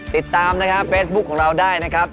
ติดตามนะครับเฟซบุ๊คของเราได้นะครับ